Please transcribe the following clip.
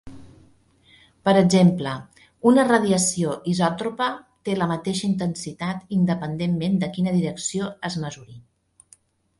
Per exemple, una radiació isòtropa té la mateixa intensitat independentment de quina direcció es mesuri.